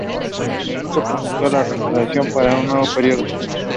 He painted the cover of the first publication (see picture above).